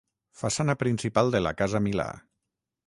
Façana principal de la Casa Milà.